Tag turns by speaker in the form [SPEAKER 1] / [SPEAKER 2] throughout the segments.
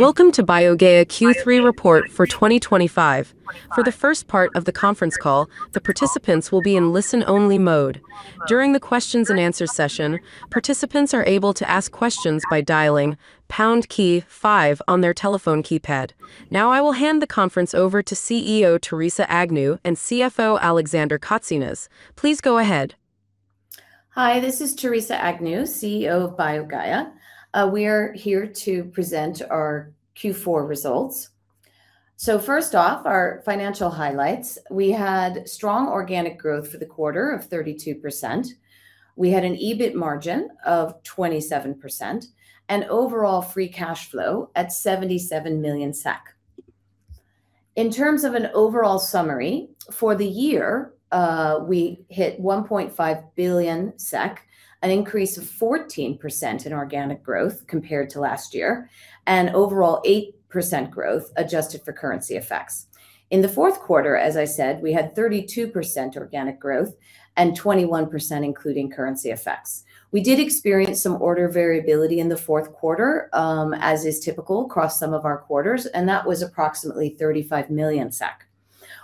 [SPEAKER 1] Welcome to BioGaia Q3 report for 2025. For the first part of the conference call, the participants will be in listen-only mode. During the questions and answer session, participants are able to ask questions by dialing pound key five on their telephone keypad. Now, I will hand the conference over to CEO Theresa Agnew and CFO Alexander Kotsinas. Please go ahead.
[SPEAKER 2] Hi, this is Theresa Agnew, CEO of BioGaia. We are here to present our Q4 results. So first off, our financial highlights. We had strong organic growth for the quarter of 32%. We had an EBIT margin of 27% and overall free cash flow at 77 million SEK. In terms of an overall summary, for the year, we hit 1.5 billion SEK, an increase of 14% in organic growth compared to last year, and overall 8% growth adjusted for currency effects. In the fourth quarter, as I said, we had 32% organic growth and 21% including currency effects. We did experience some order variability in the fourth quarter, as is typical across some of our quarters, and that was approximately 35 million SEK.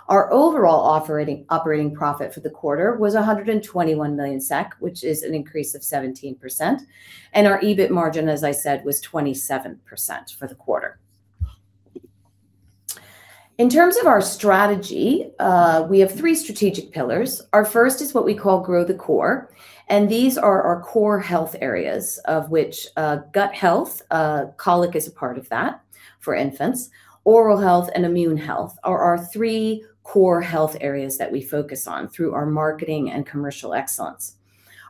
[SPEAKER 2] Our overall operating profit for the quarter was 121 million SEK, which is an increase of 17%, and our EBIT margin, as I said, was 27% for the quarter. In terms of our strategy, we have three strategic pillars. Our first is what we call Grow the Core, and these are our core health areas, of which, gut health, colic is a part of that for infants. Oral health and immune health are our three core health areas that we focus on through our marketing and commercial excellence.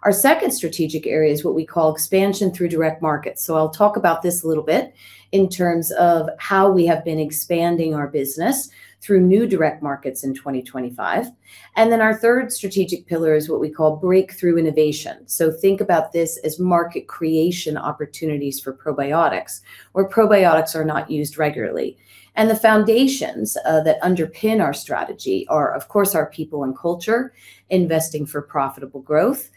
[SPEAKER 2] Our second strategic area is what we call expansion through direct markets. So I'll talk about this a little bit in terms of how we have been expanding our business through new direct markets in 2025. And then our third strategic pillar is what we call breakthrough innovation. Think about this as market creation opportunities for probiotics, where probiotics are not used regularly. The foundations that underpin our strategy are, of course, our people and culture, investing for profitable growth,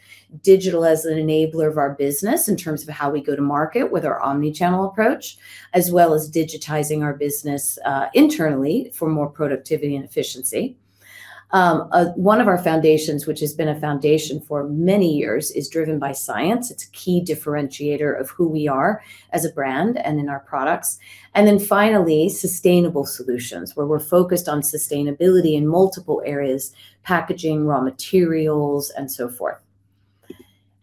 [SPEAKER 2] digital as an enabler of our business in terms of how we go to market with our omni-channel approach, as well as digitizing our business internally for more productivity and efficiency. One of our foundations, which has been a foundation for many years, is driven by science. It's a key differentiator of who we are as a brand and in our products. Then finally, sustainable solutions, where we're focused on sustainability in multiple areas: packaging, raw materials, and so forth.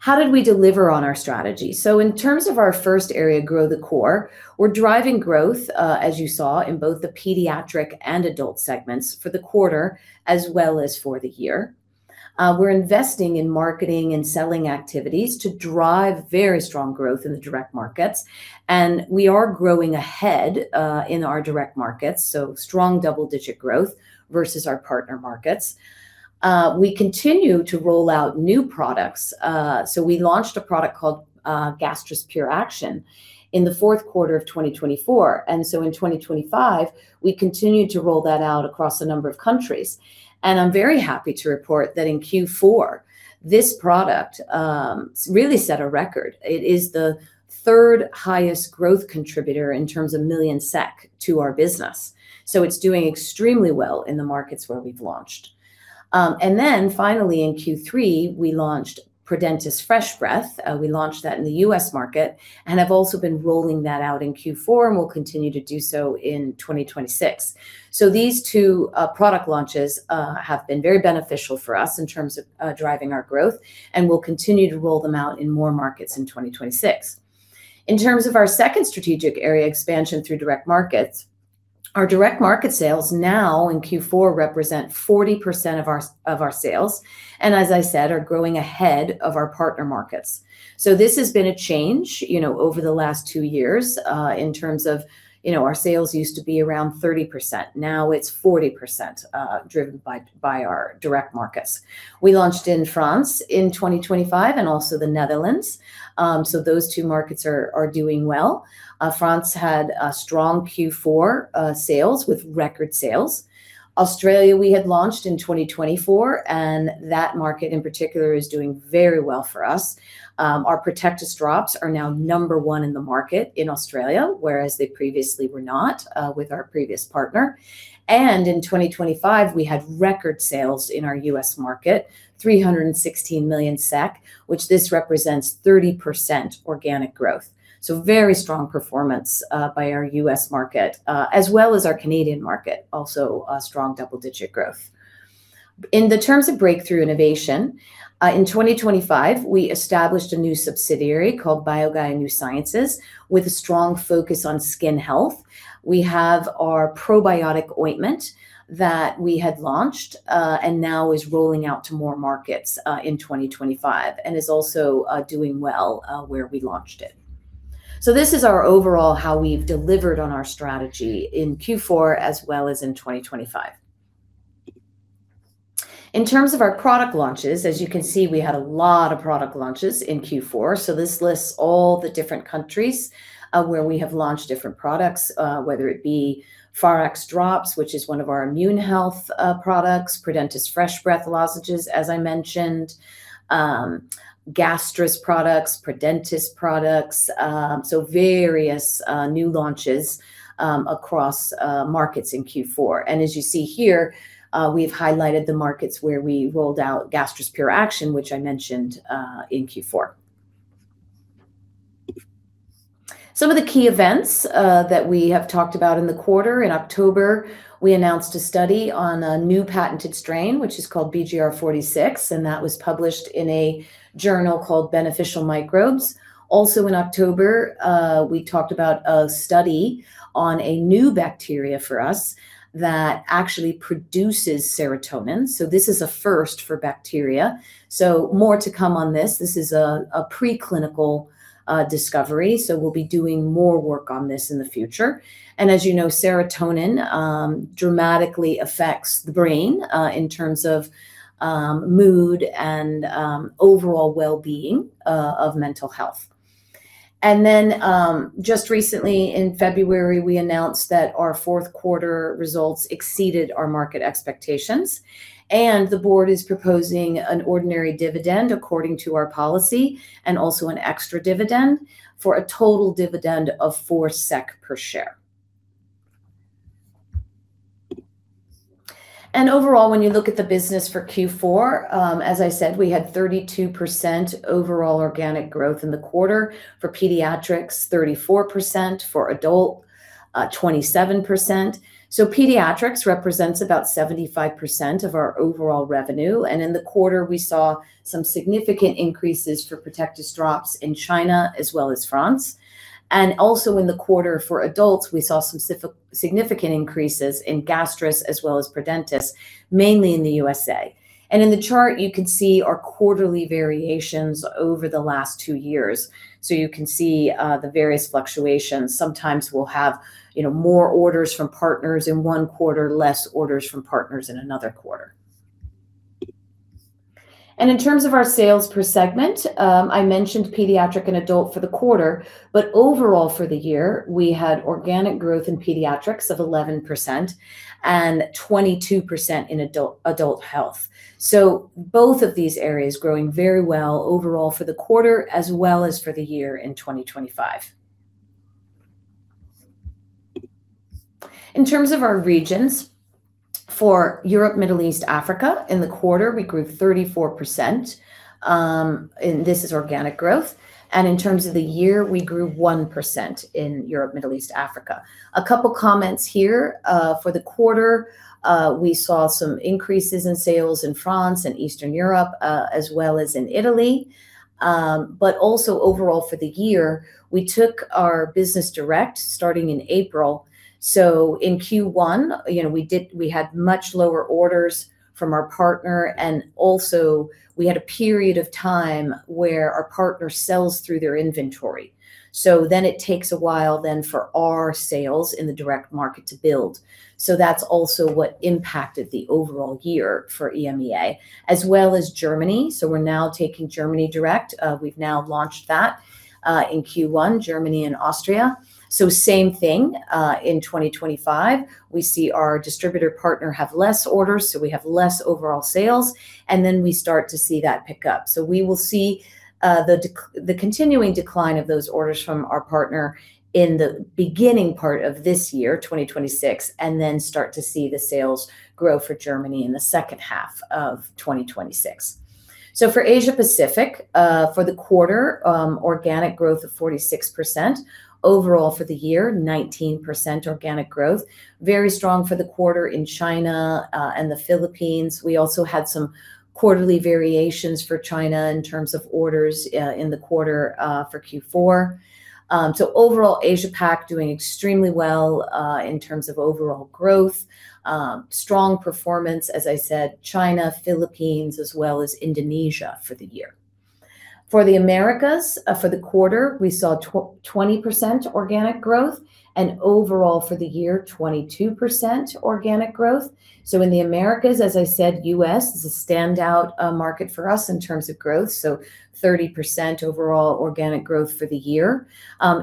[SPEAKER 2] How did we deliver on our strategy? So in terms of our first area, Grow the Core, we're driving growth, as you saw in both the pediatric and adult segments for the quarter as well as for the year. We're investing in marketing and selling activities to drive very strong growth in the direct markets, and we are growing ahead, in our direct markets, so strong double-digit growth versus our partner markets. We continue to roll out new products. So we launched a product called, Gastrus PURE ACTION in the fourth quarter of 2024, and so in 2025, we continued to roll that out across a number of countries. I'm very happy to report that in Q4, this product really set a record. It is the third highest growth contributor in terms of million SEK to our business, so it's doing extremely well in the markets where we've launched. And then finally, in Q3, we launched Prodentis FRESH BREATH. We launched that in the U.S. market, and have also been rolling that out in Q4, and we'll continue to do so in 2026. So these two, product launches, have been very beneficial for us in terms of, driving our growth, and we'll continue to roll them out in more markets in 2026. In terms of our second strategic area, expansion through direct markets, our direct market sales now in Q4 represent 40% of our, of our sales, and as I said, are growing ahead of our partner markets. So this has been a change, you know, over the last two years, in terms of, you know, our sales used to be around 30%. Now it's 40%, driven by, by our direct markets. We launched in France in 2025 and also the Netherlands. So those two markets are, are doing well. France had a strong Q4, sales with record sales. Australia, we had launched in 2024, and that market in particular is doing very well for us. Our Protectis drops are now number one in the market in Australia, whereas they previously were not, with our previous partner. And in 2025, we had record sales in our U.S. market, 316 million SEK, which this represents 30% organic growth. So very strong performance by our U.S. market as well as our Canadian market, also a strong double-digit growth. In the terms of breakthrough innovation in 2025, we established a new subsidiary called BioGaia New Sciences, with a strong focus on skin health. We have our probiotic ointment that we had launched and now is rolling out to more markets in 2025, and is also doing well where we launched it. So this is our overall, how we've delivered on our strategy in Q4 as well as in 2025. In terms of our product launches, as you can see, we had a lot of product launches in Q4. So this lists all the different countries, where we have launched different products, whether it be Pharax drops, which is one of our immune health products, Prodentis FRESH BREATH lozenges, as I mentioned, Gastrus products, Prodentis products, so various new launches across markets in Q4. And as you see here, we've highlighted the markets where we rolled out Gastrus PURE ACTION, which I mentioned, in Q4. Some of the key events that we have talked about in the quarter. In October, we announced a study on a new patented strain, which is called BGR-46, and that was published in a journal called Beneficial Microbes. Also in October, we talked about a study on a new bacteria for us that actually produces serotonin. So this is a first for bacteria, so more to come on this. This is a preclinical discovery, so we'll be doing more work on this in the future. And as you know, serotonin dramatically affects the brain in terms of mood and overall well-being of mental health. And then just recently in February, we announced that our fourth quarter results exceeded our market expectations, and the board is proposing an ordinary dividend according to our policy, and also an extra dividend for a total dividend of 4 SEK per share. And overall, when you look at the business for Q4, as I said, we had 32% overall organic growth in the quarter. For Pediatrics, 34%, for Adult, 27%. So Pediatrics represents about 75% of our overall revenue, and in the quarter, we saw some significant increases for Protectis drops in China as well as France. And also in the quarter for adults, we saw significant increases in Gastrus as well as Prodentis, mainly in the U.S.A. And in the chart, you can see our quarterly variations over the last two years. So you can see the various fluctuations. Sometimes we'll have, you know, more orders from partners in one quarter, less orders from partners in another quarter. And in terms of our sales per segment, I mentioned Pediatric and Adult for the quarter, but overall for the year, we had organic growth in Pediatrics of 11% and 22% in Adult Health. So both of these areas growing very well overall for the quarter as well as for the year in 2025. In terms of our regions, for Europe, Middle East, Africa, in the quarter, we grew 34%, and this is organic growth, and in terms of the year, we grew 1% in Europe, Middle East, Africa. A couple of comments here. For the quarter, we saw some increases in sales in France and Eastern Europe, as well as in Italy. But also overall for the year, we took our business direct, starting in April. So in Q1, you know, we had much lower orders from our partner, and also we had a period of time where our partner sells through their inventory. So then it takes a while then for our sales in the direct market to build. So that's also what impacted the overall year for EMEA, as well as Germany. So we're now taking Germany direct. We've now launched that in Q1, Germany and Austria. So same thing in 2025, we see our distributor partner have less orders, so we have less overall sales, and then we start to see that pick up. So we will see the continuing decline of those orders from our partner in the beginning part of this year, 2026, and then start to see the sales grow for Germany in the second half of 2026. So for Asia Pacific, for the quarter, organic growth of 46%. Overall, for the year, 19% organic growth. Very strong for the quarter in China and the Philippines. We also had some quarterly variations for China in terms of orders in the quarter for Q4. So overall, APAC doing extremely well, in terms of overall growth, strong performance, as I said, China, Philippines, as well as Indonesia for the year. For the Americas, for the quarter, we saw 20% organic growth, and overall for the year, 22% organic growth. So in the Americas, as I said, U.S. is a standout, market for us in terms of growth, so 30% overall organic growth for the year.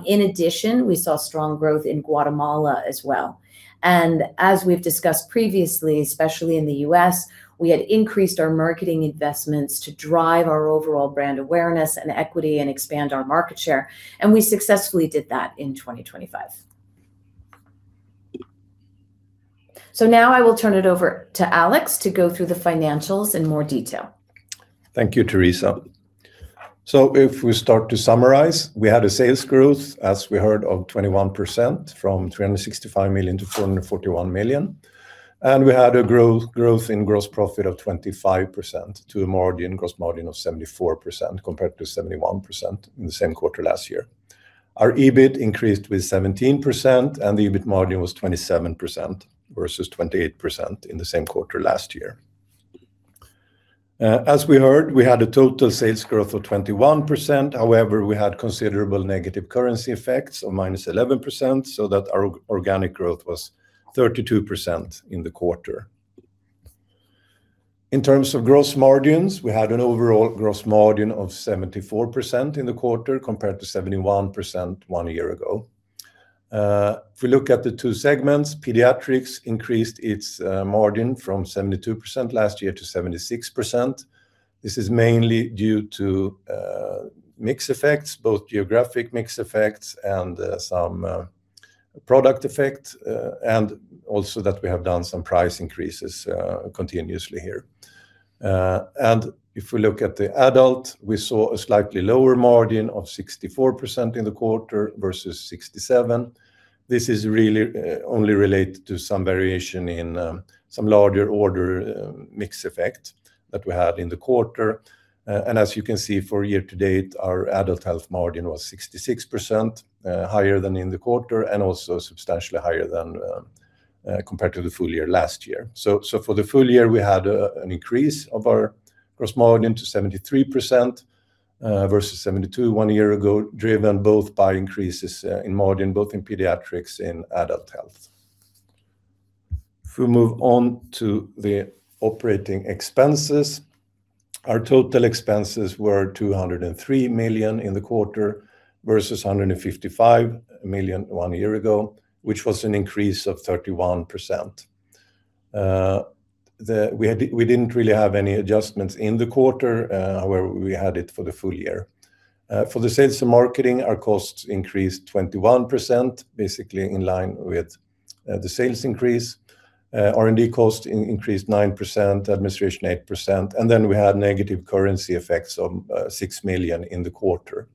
[SPEAKER 2] In addition, we saw strong growth in Guatemala as well. And as we've discussed previously, especially in the U.S., we had increased our marketing investments to drive our overall brand awareness and equity and expand our market share, and we successfully did that in 2025. So now I will turn it over to Alex to go through the financials in more detail.
[SPEAKER 3] Thank you, Theresa. So if we start to summarize, we had a sales growth, as we heard, of 21% from 365 million to 441 million, and we had a growth in gross profit of 25% to a margin, gross margin of 74%, compared to 71% in the same quarter last year. Our EBIT increased with 17%, and the EBIT margin was 27% versus 28% in the same quarter last year. As we heard, we had a total sales growth of 21%. However, we had considerable negative currency effects of -11%, so that our organic growth was 32% in the quarter. In terms of gross margins, we had an overall gross margin of 74% in the quarter, compared to 71% one year ago. If we look at the two segments, Pediatrics increased its margin from 72% last year to 76%. This is mainly due to mix effects, both geographic mix effects and some product effects, and also that we have done some price increases continuously here. And if we look at the adult, we saw a slightly lower margin of 64% in the quarter versus 67. This is really only related to some variation in some larger order mix effect that we had in the quarter. And as you can see, for year to date, our adult health margin was 66% higher than in the quarter, and also substantially higher than compared to the full year last year. So for the full year, we had an increase of our gross margin to 73%, versus 72 one year ago, driven both by increases in margin, both in Pediatrics and Adult Health. If we move on to the operating expenses, our total expenses were 203 million in the quarter, versus 155 million one year ago, which was an increase of 31%. We had, we didn't really have any adjustments in the quarter, where we had it for the full year. For the sales and marketing, our costs increased 21%, basically in line with the sales increase. R&D cost increased 9%, administration, 8%, and then we had negative currency effects of 6 million in the quarter.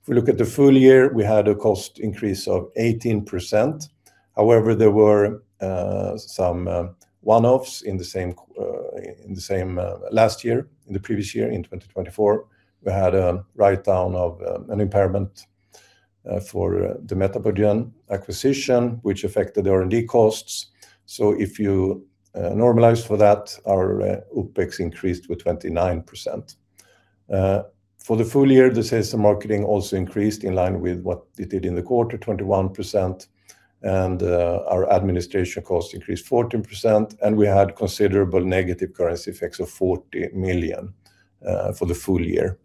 [SPEAKER 3] If we look at the full year, we had a cost increase of 18%. However, there were some one-offs in the same last year, in the previous year, in 2024. We had a write-down of an impairment for the MetaboGen acquisition, which affected the R&D costs. So if you normalize for that, our OPEX increased with 29%. For the full year, the sales and marketing also increased in line with what it did in the quarter, 21%, and our administration costs increased 14%, and we had considerable negative currency effects of 40 million for the full year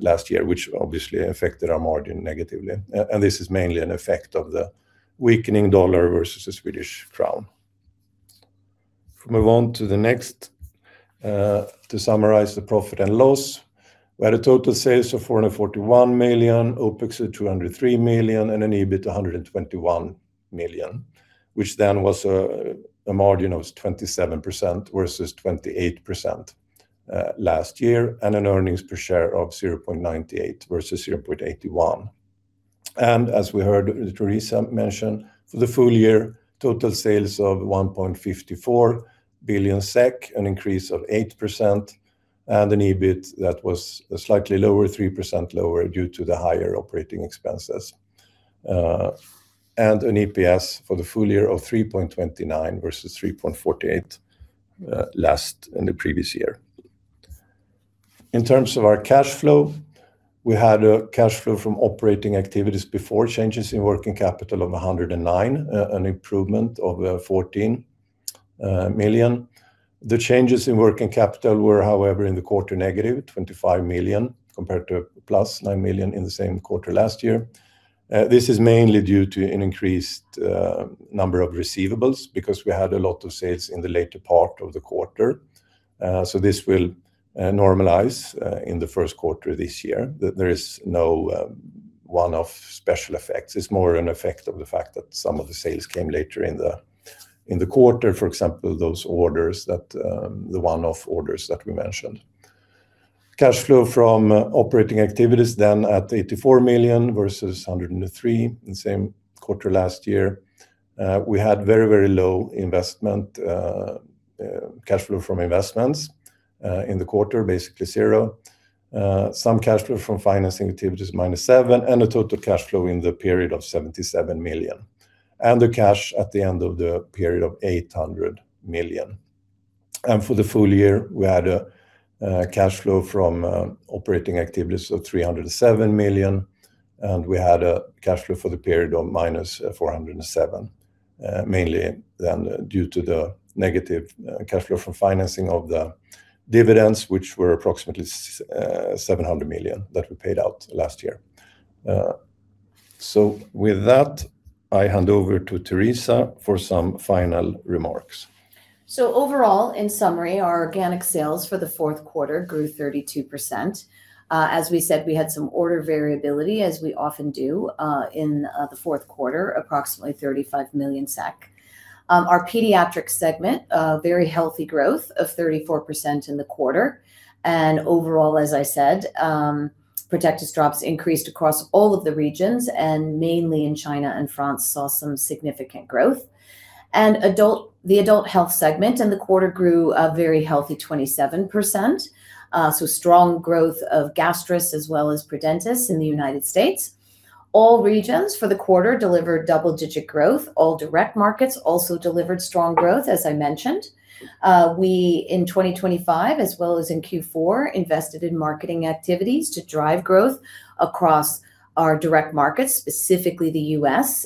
[SPEAKER 3] last year, which obviously affected our margin negatively. And this is mainly an effect of the weakening dollar versus the Swedish Crown. If we move on to the next, to summarize the profit and loss, we had a total sales of 441 million, OPEX of 203 million, and an EBIT of 121 million, which then was a margin of 27%, versus 28% last year, and an earnings per share of 0.98 versus 0.81. And as we heard Theresa mention, for the full year, total sales of 1.54 billion SEK, an increase of 8%, and an EBIT that was slightly lower, 3% lower, due to the higher operating expenses. And an EPS for the full year of 3.29 versus 3.48 last in the previous year. In terms of our cash flow, we had a cash flow from operating activities before changes in working capital of 109 million, an improvement of 14 million. The changes in working capital were, however, in the quarter, -25 million, compared to +9 million in the same quarter last year. This is mainly due to an increased number of receivables, because we had a lot of sales in the later part of the quarter. So this will normalize in the first quarter this year. There is no one-off special effects. It's more an effect of the fact that some of the sales came later in the quarter, for example, those orders that the one-off orders that we mentioned. Cash flow from operating activities then at 84 million, versus 103 in the same quarter last year. We had very, very low investment cash flow from investments in the quarter, basically zero. Some cash flow from financing activities, -7 million, and a total cash flow in the period of 77 million, and the cash at the end of the period of 800 million. And for the full year, we had a cash flow from operating activities of 307 million, and we had a cash flow for the period of -407 million, mainly then due to the negative cash flow from financing of the dividends, which were approximately 700 million that we paid out last year. So with that, I hand over to Theresa for some final remarks.
[SPEAKER 2] So overall, in summary, our organic sales for the fourth quarter grew 32%. As we said, we had some order variability, as we often do, in the fourth quarter, approximately 35 million SEK. Our pediatric segment, a very healthy growth of 34% in the quarter, and overall, as I said, Protectis drops increased across all of the regions, and mainly in China and France, saw some significant growth. And the adult health segment in the quarter grew a very healthy 27%. So strong growth of Gastrus as well as Prodentis in the United States. All regions for the quarter delivered double-digit growth. All direct markets also delivered strong growth, as I mentioned. We, in 2025, as well as in Q4, invested in marketing activities to drive growth across our direct markets. Specifically, the U.S.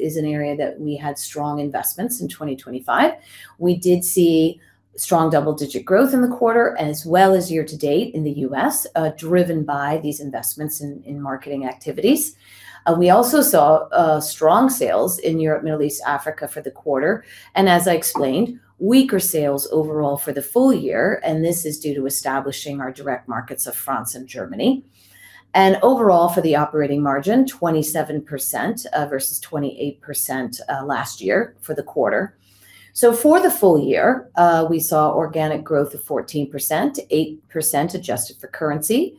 [SPEAKER 2] is an area that we had strong investments in 2025. We did see strong double-digit growth in the quarter, as well as year to date in the U.S., driven by these investments in marketing activities. We also saw strong sales in Europe, Middle East, Africa for the quarter, and as I explained, weaker sales overall for the full year, and this is due to establishing our direct markets of France and Germany. Overall, for the operating margin, 27%, versus 28% last year for the quarter. For the full year, we saw organic growth of 14%, 8% adjusted for currency.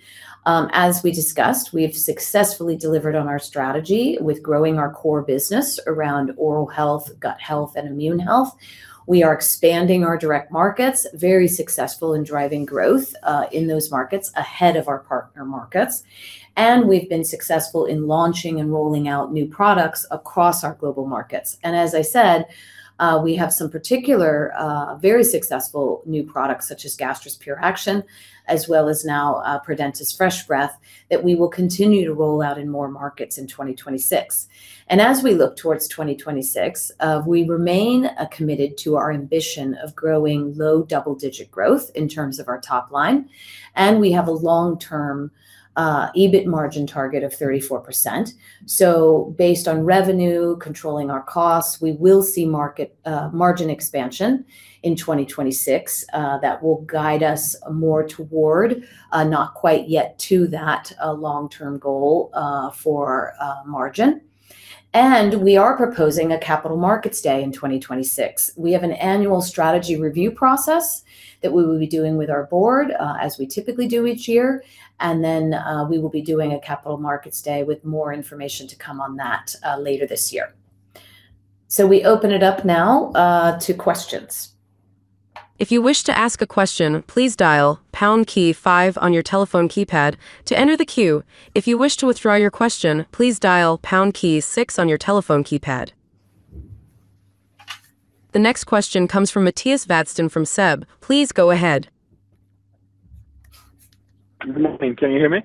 [SPEAKER 2] As we discussed, we've successfully delivered on our strategy with growing our core business around oral health, gut health, and immune health. We are expanding our direct markets, very successful in driving growth, in those markets ahead of our partner markets. And we've been successful in launching and rolling out new products across our global markets. And as I said, we have some particular, very successful new products, such as Gastrus PURE ACTION, as well as now, Prodentis FRESH BREATH, that we will continue to roll out in more markets in 2026. And as we look towards 2026, we remain, committed to our ambition of growing low double-digit growth in terms of our top line, and we have a long-term, EBIT margin target of 34%. So based on revenue, controlling our costs, we will see margin expansion in 2026, that will guide us more toward, not quite yet to that, long-term goal, for, margin. And we are proposing a Capital Markets Day in 2026. We have an annual strategy review process that we will be doing with our board, as we typically do each year, and then, we will be doing a Capital Markets Day with more information to come on that, later this year. So we open it up now, to questions.
[SPEAKER 1] If you wish to ask a question, please dial pound key five on your telephone keypad to enter the queue. If you wish to withdraw your question, please dial pound key six on your telephone keypad. The next question comes from Mattias Vadsten from SEB. Please go ahead.
[SPEAKER 4] Good morning. Can you hear me?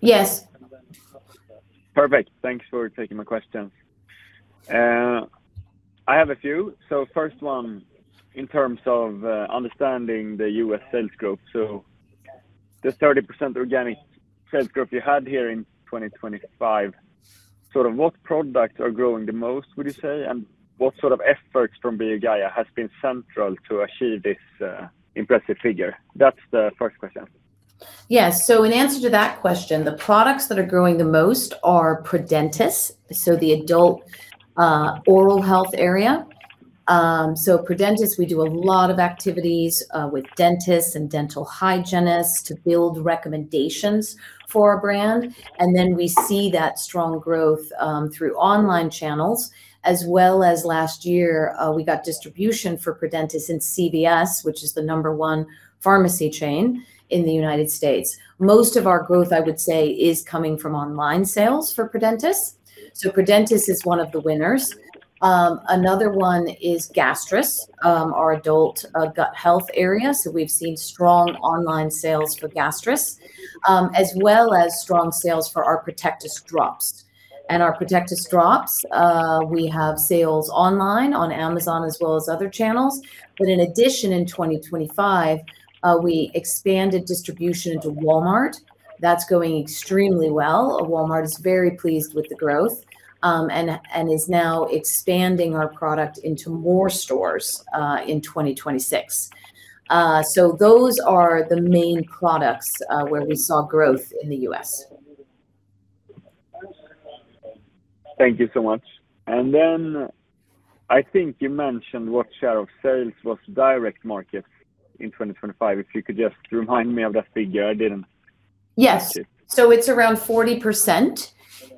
[SPEAKER 2] Yes.
[SPEAKER 4] Perfect. Thanks for taking my questions. I have a few. So first one, in terms of understanding the U.S. sales growth. So the 30% organic sales growth you had here in 2025, sort of what products are growing the most, would you say? And what sort of efforts from BioGaia has been central to achieve this, impressive figure? That's the first question.
[SPEAKER 2] Yes. So in answer to that question, the products that are growing the most are Prodentis, so the adult oral health area. So Prodentis, we do a lot of activities with dentists and dental hygienists to build recommendations for our brand, and then we see that strong growth through online channels, as well as last year we got distribution for Prodentis in CVS, which is the number one pharmacy chain in the United States. Most of our growth, I would say, is coming from online sales for Prodentis. So Prodentis is one of the winners. Another one is Gastrus, our adult gut health area. So we've seen strong online sales for Gastrus, as well as strong sales for our Protectis drops. Our Protectis drops, we have sales online on Amazon as well as other channels, but in addition, in 2025, we expanded distribution into Walmart. That's going extremely well. Walmart is very pleased with the growth, and is now expanding our product into more stores, in 2026. So those are the main products, where we saw growth in the U.S.
[SPEAKER 4] Thank you so much. And then I think you mentioned what share of sales was direct markets in 2025. If you could just remind me of that figure. I didn't-
[SPEAKER 2] Yes.
[SPEAKER 4] catch it.
[SPEAKER 2] It's around 40%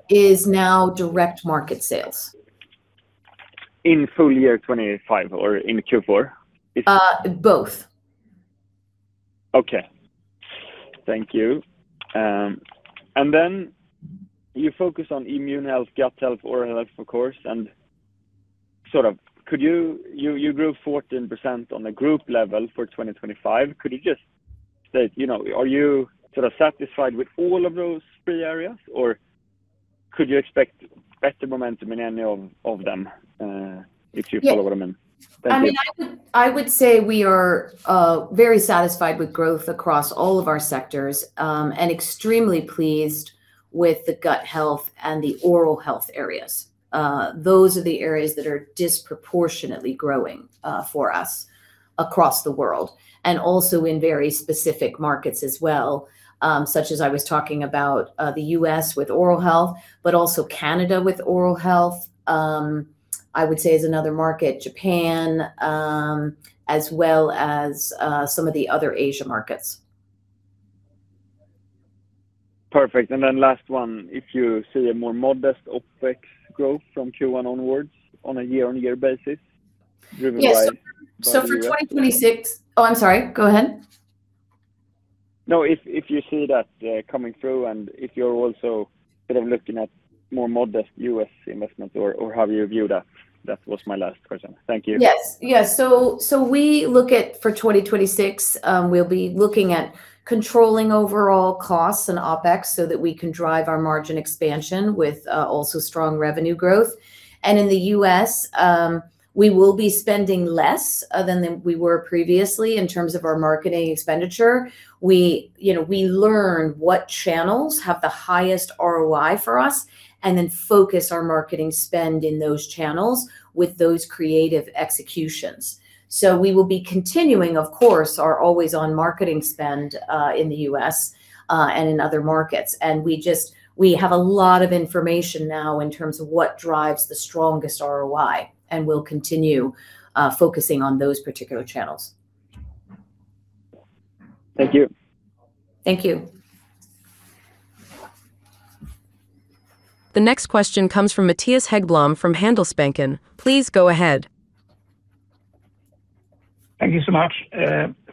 [SPEAKER 2] is now direct market sales.
[SPEAKER 4] In full year 2025 or in Q4?
[SPEAKER 2] Uh, both.
[SPEAKER 4] Okay. Thank you. And then you focus on immune health, gut health, oral health, of course, and sort of could you. You, you grew 14% on the group level for 2025. Could you just say, you know, are you sort of satisfied with all of those three areas, or could you expect better momentum in any of, of them, if you follow what I mean?
[SPEAKER 2] Yes.
[SPEAKER 4] Thank you.
[SPEAKER 2] I mean, I would, I would say we are very satisfied with growth across all of our sectors, and extremely pleased with the gut health and the oral health areas. Those are the areas that are disproportionately growing for us across the world, and also in very specific markets as well, such as I was talking about, the U.S. with oral health, but also Canada with oral health, I would say is another market. Japan, as well as some of the other Asia markets.
[SPEAKER 4] Perfect. And then last one, if you see a more modest OpEx growth from Q1 onwards on a year-on-year basis, driven by-
[SPEAKER 2] Yes. So for 2026. Oh, I'm sorry, go ahead.
[SPEAKER 4] No, if you see that coming through and if you're also kind of looking at more modest U.S. investment, or how you view that? That was my last question. Thank you.
[SPEAKER 2] Yes. Yeah, so, so we look at for 2026, we'll be looking at controlling overall costs and OPEX so that we can drive our margin expansion with also strong revenue growth. And in the U.S., we will be spending less than we were previously in terms of our marketing expenditure. We, you know, we learn what channels have the highest ROI for us, and then focus our marketing spend in those channels with those creative executions. So we will be continuing, of course, our always on marketing spend in the U.S. and in other markets. We have a lot of information now in terms of what drives the strongest ROI, and we'll continue focusing on those particular channels.
[SPEAKER 4] Thank you.
[SPEAKER 2] Thank you.
[SPEAKER 1] The next question comes from Mattias Häggblom, from Handelsbanken. Please go ahead.
[SPEAKER 5] Thank you so much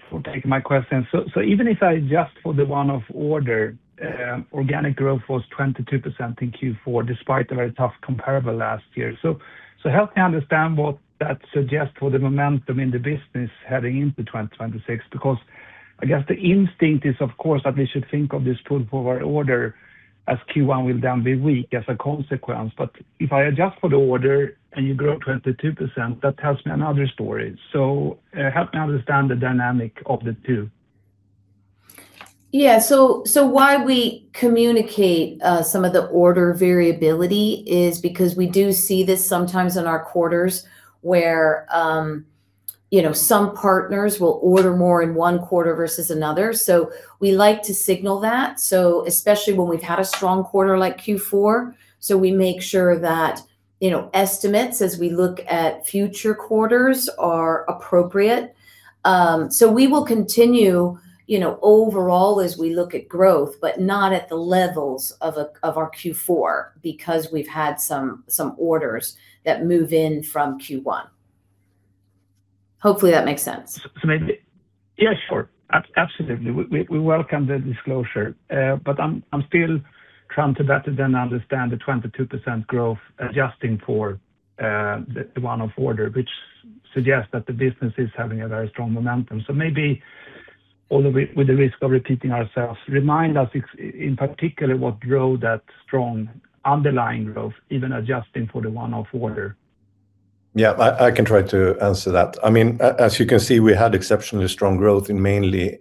[SPEAKER 5] for taking my question. So, so even if I adjust for the one-off order, organic growth was 22% in Q4, despite the very tough comparable last year. So, so help me understand what that suggests for the momentum in the business heading into 2026, because I guess the instinct is, of course, that we should think of this pull forward order as Q1 will then be weak as a consequence. But if I adjust for the order and you grow 22%, that tells me another story. So, help me understand the dynamic of the two.
[SPEAKER 2] Yeah. So, so why we communicate some of the order variability is because we do see this sometimes in our quarters, where, you know, some partners will order more in one quarter versus another. So we like to signal that. So especially when we've had a strong quarter like Q4, so we make sure that, you know, estimates, as we look at future quarters, are appropriate. So we will continue, you know, overall as we look at growth, but not at the levels of a, of our Q4, because we've had some, some orders that move in from Q1. Hopefully, that makes sense.
[SPEAKER 5] So maybe. Yeah, sure. Absolutely, we welcome the disclosure. But I'm still trying to better understand the 22% growth, adjusting for the one-off order, which suggests that the business is having a very strong momentum. So maybe, although with the risk of repeating ourselves, remind us in particular, what drove that strong underlying growth, even adjusting for the one-off order?
[SPEAKER 3] Yeah, I can try to answer that. I mean, as you can see, we had exceptionally strong growth in mainly,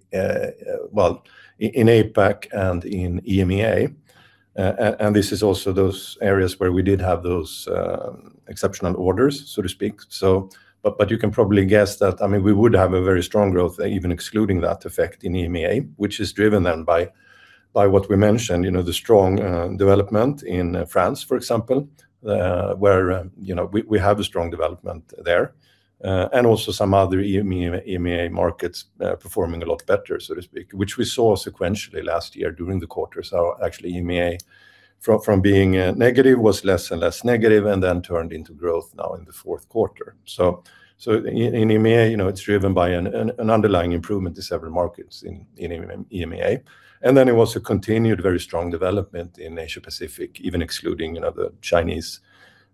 [SPEAKER 3] well, in APAC and in EMEA. And this is also those areas where we did have those exceptional orders, so to speak. But you can probably guess that, I mean, we would have a very strong growth, even excluding that effect in EMEA, which is driven then by what we mentioned, you know, the strong development in France, for example, where, you know, we have a strong development there. And also some other EMEA markets performing a lot better, so to speak, which we saw sequentially last year during the quarter. So actually, EMEA, from being negative, was less and less negative, and then turned into growth now in the fourth quarter. So in EMEA, you know, it's driven by an underlying improvement in several markets in EMEA. And then it also continued very strong development in Asia Pacific, even excluding, you know, the Chinese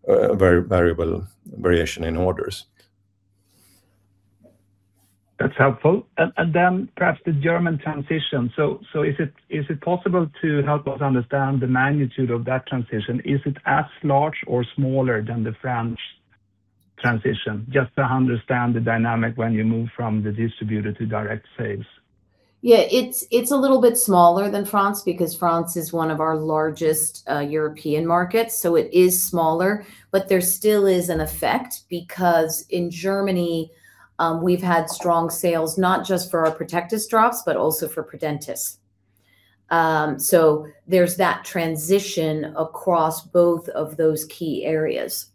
[SPEAKER 3] variable variation in orders.
[SPEAKER 5] That's helpful. And then perhaps the German transition. So is it possible to help us understand the magnitude of that transition? Is it as large or smaller than the French transition? Just to understand the dynamic when you move from the distributor to direct sales.
[SPEAKER 2] Yeah, it's, it's a little bit smaller than France, because France is one of our largest European markets, so it is smaller. But there still is an effect, because in Germany, we've had strong sales, not just for our Protectis drops, but also for Prodentis. So there's that transition across both of those key areas.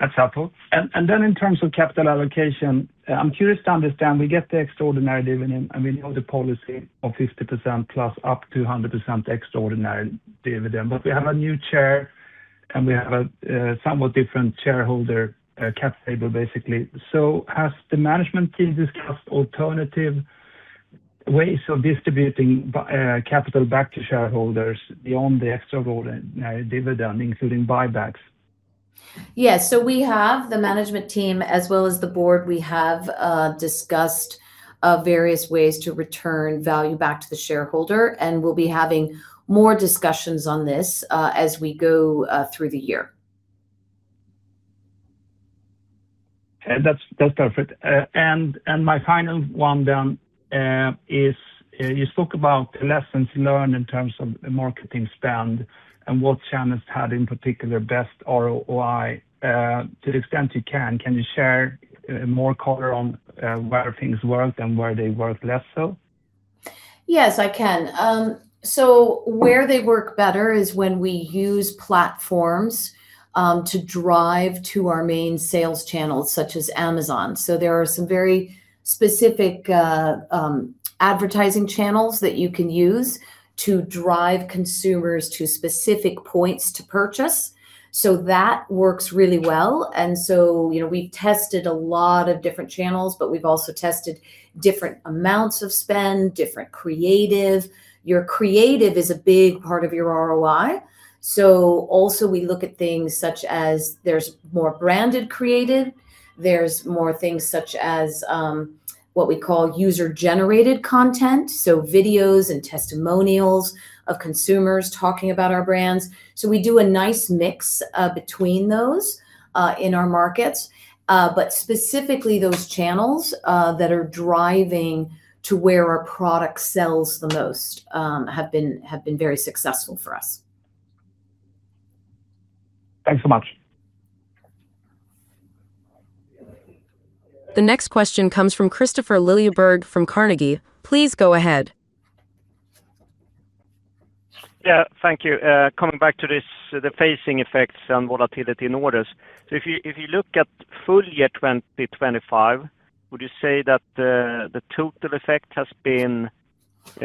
[SPEAKER 5] That's helpful. And then in terms of capital allocation, I'm curious to understand, we get the extraordinary dividend, and we know the policy of 50% plus up to 100% extraordinary dividend. But we have a new chair, and we have a somewhat different shareholder cap table, basically. So has the management team discussed alternative ways of distributing capital back to shareholders beyond the extraordinary dividend, including buybacks?
[SPEAKER 2] Yes. So we have, the management team, as well as the board, we have discussed various ways to return value back to the shareholder, and we'll be having more discussions on this, as we go through the year.
[SPEAKER 5] That's perfect. And my final one then is you spoke about lessons learned in terms of marketing spend and what channels had, in particular, best ROI. To the extent you can, you share more color on where things worked and where they worked less so?
[SPEAKER 2] Yes, I can. So where they work better is when we use platforms to drive to our main sales channels, such as Amazon. So there are some very specific advertising channels that you can use to drive consumers to specific points to purchase. So that works really well, and so, you know, we tested a lot of different channels, but we've also tested different amounts of spend, different creative. Your creative is a big part of your ROI. So also we look at things such as there's more branded creative, there's more things such as what we call user-generated content, so videos and testimonials of consumers talking about our brands. We do a nice mix between those in our markets, but specifically those channels that are driving to where our product sells the most have been very successful for us.
[SPEAKER 5] Thanks so much.
[SPEAKER 1] The next question comes from Kristofer Liljeberg from Carnegie. Please go ahead.
[SPEAKER 6] Yeah, thank you. Coming back to this, the phasing effects on volatility in orders. So if you look at full year 2020 to 2025, would you say that the total effect has been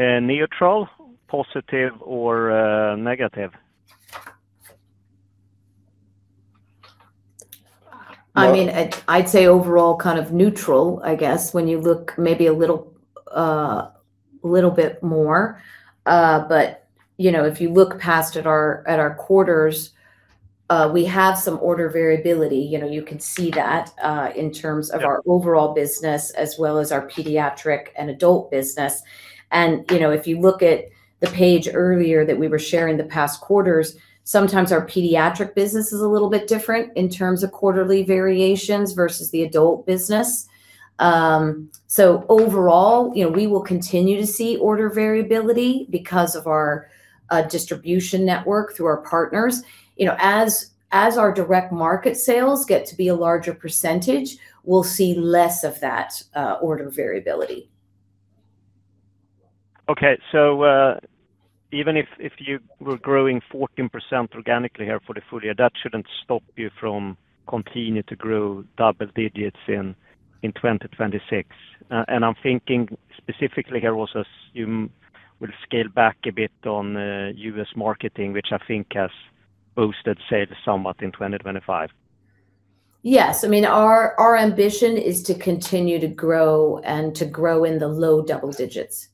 [SPEAKER 6] neutral, positive, or negative?
[SPEAKER 2] I mean, I'd, I'd say overall kind of neutral, I guess, when you look maybe a little, little bit more. But, you know, if you look past at our, at our quarters, we have some order variability. You know, you can see that, in terms of our-
[SPEAKER 6] Yeah
[SPEAKER 2] overall business as well as our pediatric and adult business. You know, if you look at the page earlier that we were sharing the past quarters, sometimes our pediatric business is a little bit different in terms of quarterly variations versus the adult business. So overall, you know, we will continue to see order variability because of our distribution network through our partners. You know, as our direct market sales get to be a larger percentage, we'll see less of that order variability.
[SPEAKER 6] Okay, so, even if, if you were growing 14% organically here for the full year, that shouldn't stop you from continuing to grow double digits in, in 2026. And I'm thinking specifically here also, you will scale back a bit on, U.S. marketing, which I think has boosted sales somewhat in 2025.
[SPEAKER 2] Yes. I mean, our ambition is to continue to grow and to grow in the low double digits.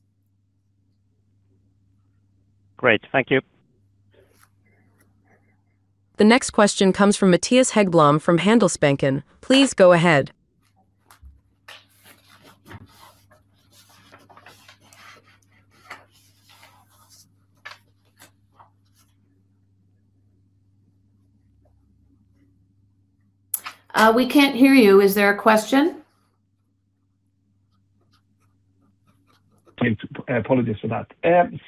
[SPEAKER 6] Great. Thank you.
[SPEAKER 1] The next question comes from Mattias Häggblom from Handelsbanken. Please go ahead.
[SPEAKER 2] We can't hear you. Is there a question?
[SPEAKER 5] Thanks. Apologies for that.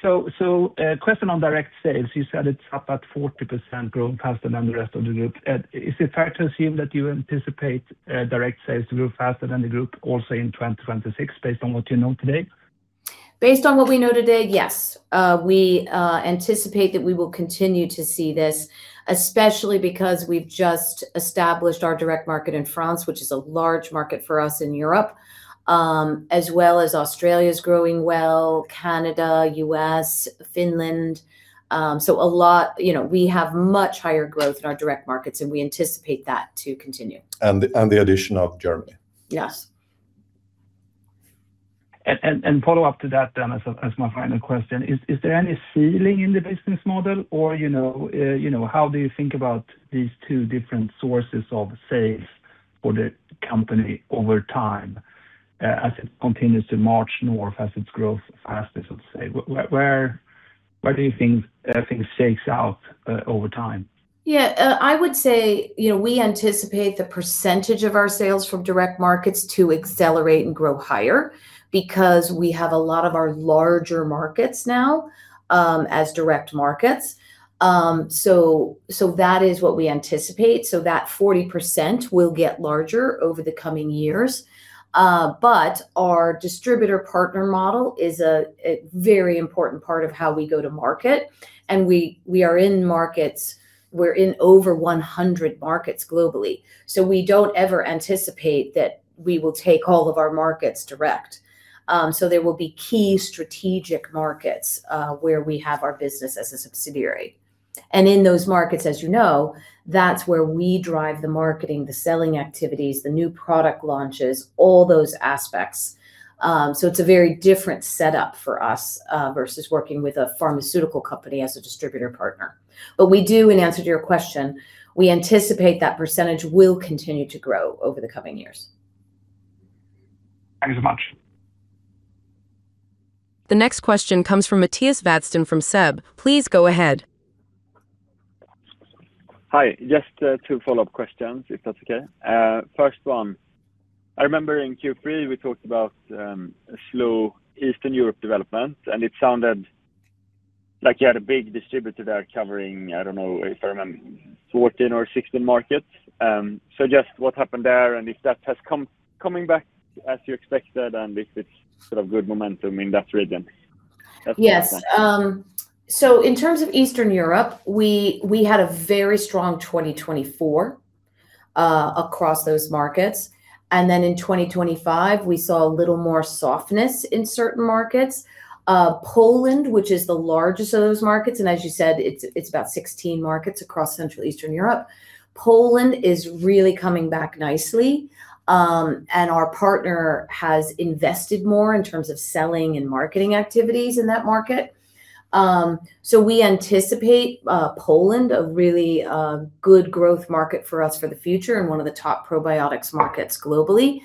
[SPEAKER 5] So, question on direct sales, you said it's up at 40% growing faster than the rest of the group. Is it fair to assume that you anticipate direct sales to grow faster than the group also in 2026, based on what you know today?
[SPEAKER 2] Based on what we know today, yes. We anticipate that we will continue to see this, especially because we've just established our direct market in France, which is a large market for us in Europe, as well as Australia is growing well, Canada, U.S., Finland. So, a lot. You know, we have much higher growth in our direct markets, and we anticipate that to continue.
[SPEAKER 3] And the addition of Germany.
[SPEAKER 2] Yes.
[SPEAKER 5] As a follow-up to that, then, as my final question, is there any ceiling in the business model or, you know, how do you think about these two different sources of sales for the company over time, as it continues to march north, as its growth fastest, let's say? Where do you think things shakes out over time?
[SPEAKER 2] Yeah, I would say, you know, we anticipate the percentage of our sales from direct markets to accelerate and grow higher because we have a lot of our larger markets now as direct markets. So that is what we anticipate. So that 40% will get larger over the coming years. But our distributor partner model is a very important part of how we go to market, and we are in markets—we're in over 100 markets globally, so we don't ever anticipate that we will take all of our markets direct. So there will be key strategic markets where we have our business as a subsidiary. And in those markets, as you know, that's where we drive the marketing, the selling activities, the new product launches, all those aspects. So, it's a very different setup for us versus working with a pharmaceutical company as a distributor partner. But we do, in answer to your question, we anticipate that percentage will continue to grow over the coming years.
[SPEAKER 5] Thank you so much.
[SPEAKER 1] The next question comes from Mattias Vadsten from SEB. Please go ahead.
[SPEAKER 4] Hi, just two follow-up questions, if that's okay. First one, I remember in Q3, we talked about a slow Eastern Europe development, and it sounded like you had a big distributor there covering, I don't know, if I remember, 14 or 16 markets. So just what happened there, and if that has come back as you expected, and if it's sort of good momentum in that region?
[SPEAKER 2] Yes. So in terms of Eastern Europe, we had a very strong 2024 across those markets, and then in 2025, we saw a little more softness in certain markets. Poland, which is the largest of those markets, and as you said, it's about 16 markets across Central Eastern Europe. Poland is really coming back nicely, and our partner has invested more in terms of selling and marketing activities in that market. So we anticipate Poland a really good growth market for us for the future and one of the top probiotics markets globally.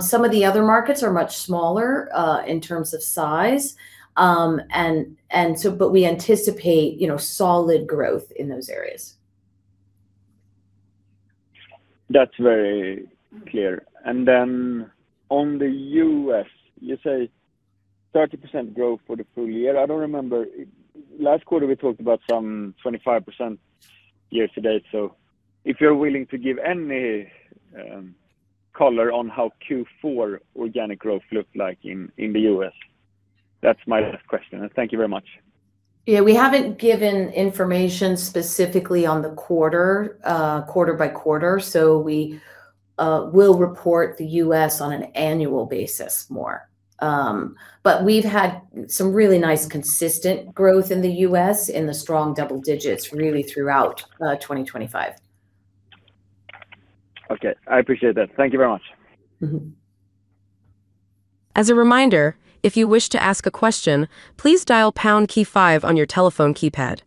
[SPEAKER 2] Some of the other markets are much smaller in terms of size, and so but we anticipate, you know, solid growth in those areas.
[SPEAKER 4] That's very clear. And then on the U.S., you say 30% growth for the full year. I don't remember. Last quarter, we talked about some 25% year to date. So if you're willing to give any color on how Q4 organic growth looked like in the U.S. That's my last question and thank you very much.
[SPEAKER 2] Yeah, we haven't given information specifically on the quarter, quarter by quarter, so we will report the U.S. on an annual basis more. But we've had some really nice consistent growth in the U.S. in the strong double digits, really throughout 2025.
[SPEAKER 4] Okay, I appreciate that. Thank you very much.
[SPEAKER 2] Mm-hmm.
[SPEAKER 1] As a reminder, if you wish to ask a question, please dial pound key five on your telephone keypad.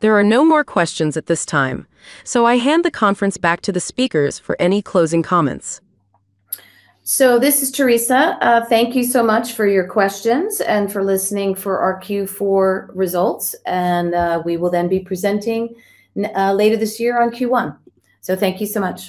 [SPEAKER 1] There are no more questions at this time, so I hand the conference back to the speakers for any closing comments.
[SPEAKER 2] So, this is Theresa. Thank you so much for your questions and for listening for our Q4 results, and we will then be presenting later this year on Q1. So thank you so much.